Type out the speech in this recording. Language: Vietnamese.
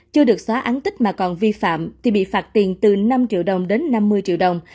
chưa được xóa án tích mà còn vi phạm thì bị phạt tiền từ năm triệu đồng đến năm mươi triệu đồng